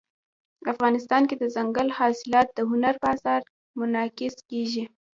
افغانستان کې دځنګل حاصلات د هنر په اثار کې منعکس کېږي.